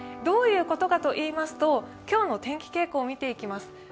どういうことかといいますと、今日の天気傾向を見ていきます